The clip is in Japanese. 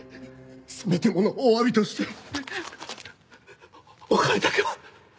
せめてものおわびとしてお金だけは！